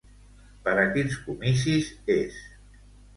Per a quins comicis és?